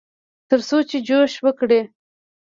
ترڅو چې جوښ وکړي.